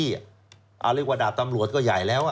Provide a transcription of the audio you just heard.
ที่มีอิทธิพลในพื้นที่อ่ะเอาเรียกว่าดาบตำรวจก็ใหญ่แล้วอ่ะ